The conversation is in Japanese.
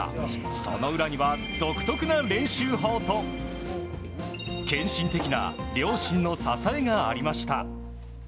その裏には、独特な練習法と献身的な両親の支えがありました。